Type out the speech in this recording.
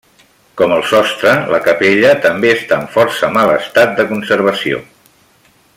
Com el sostre, la capella també està en força mal estat de conservació.